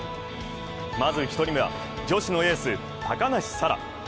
まず１人目は女子のエース、高梨沙羅。